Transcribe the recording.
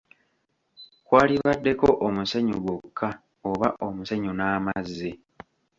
Kwalibaddeko omusenyu gwokka oba omusenyu n’amazzi.